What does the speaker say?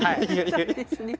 そうですね。